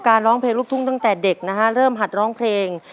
ร้องเพลงลูกทุ่งตั้งแต่เด็กนะฮะเริ่มหัดร้องเพลง